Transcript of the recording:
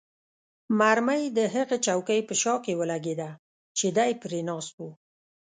مرمۍ د هغه چوکۍ په شا کې ولګېده چې دی پرې ناست وو.